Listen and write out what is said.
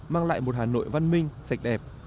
mang lại một hà nội văn minh sạch đẹp